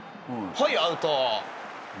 はいアウト。